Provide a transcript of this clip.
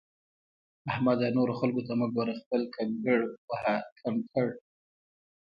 احمده! نورو خلګو ته مه ګوره؛ خپل کنګړ وهه کنکړ!